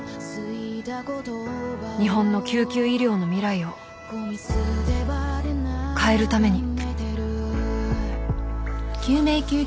［日本の救急医療の未来を変えるために］